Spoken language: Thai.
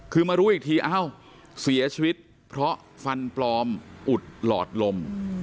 คือมารู้อีกทีเอ้าเสียชีวิตเพราะฟันปลอมอุดหลอดลม